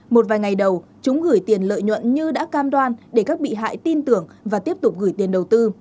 một vài ngày đầu chúng gửi tiền lợi nhuận như đã cam đoan để các bị hại tin tưởng và tiếp tục gửi tiền đầu tư